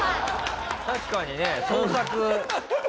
確かにね捜索。